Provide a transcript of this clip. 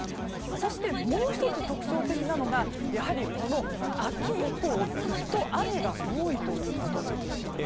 そしてもう１つ、特徴的なのがこの秋以降、ずっと雨が多いということなんです。